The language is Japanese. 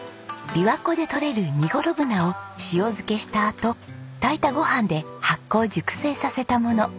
琵琶湖でとれるニゴロブナを塩漬けしたあと炊いたご飯で発酵熟成させたもの。